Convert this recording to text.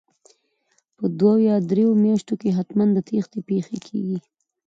په دوو یا درو میاشتو کې حتمن د تېښتې پېښې کیږي